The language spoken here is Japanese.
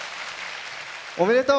おめでとう！